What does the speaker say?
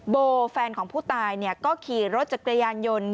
โบแฟนของผู้ตายก็ขี่รถจักรยานยนต์